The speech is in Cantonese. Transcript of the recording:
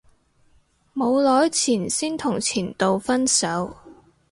冇耐前先同前度分手